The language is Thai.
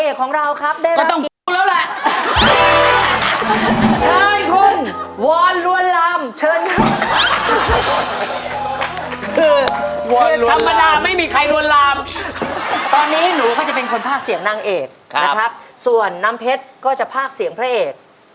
ตอนนี้หนูจะเป็นคนพากเสียงนางเอกส่วนน้ำเพ็ดก็จะพากเสียงพระเอก